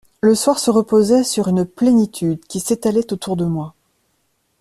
Le soir se reposait sur une plénitude qui s’étalait autour de moi.